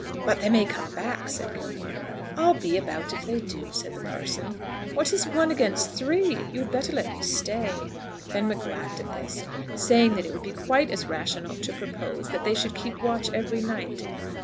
"But they may come back," said Gilmore. "I'll be about if they do," said the parson. "What is one against three? You had better let me stay." Fenwick laughed at this, saying that it would be quite as rational to propose that they should keep watch every night.